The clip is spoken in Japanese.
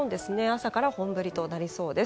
朝から本降りとなりそうです。